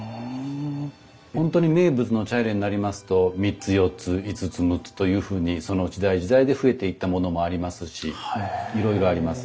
本当に名物の茶入になりますと三つ四つ五つ六つというふうにその時代時代で増えていったものもありますしいろいろあります。